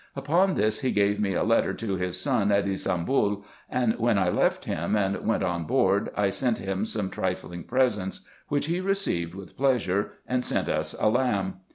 Upon this he gave me a letter to his son at Ybsambul, and when I left him, and went on board, I sent him some trifling presents, which he received with pleasure, and sent us a lamb.